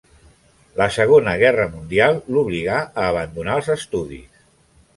La Segona Guerra Mundial l'obligà a abandonar els estudis.